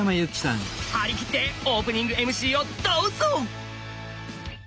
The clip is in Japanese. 張り切ってオープニングＭＣをどうぞ！